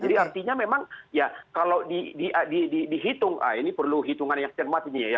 jadi artinya memang ya kalau dihitung ini perlu hitungan yang cermatinya ya